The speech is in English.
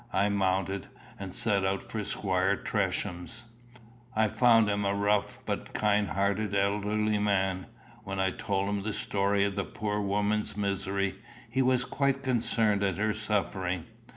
I mounted, and set out for Squire Tresham's. I found him a rough but kind hearted elderly man. When I told him the story of the poor woman's misery, he was quite concerned at her suffering.